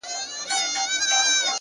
حقیقت خپله لاره خپله جوړوي!.